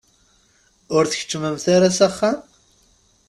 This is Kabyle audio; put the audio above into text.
Ur tkeččmemt ara s axxam?